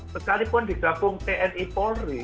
sekalipun digabung tni polri